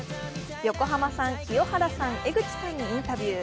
横浜さん、清原さん、江口さんにインタビュー。